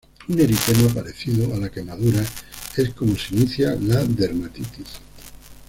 Un eritema parecido a la quemadura es como se inicia la dermatitis.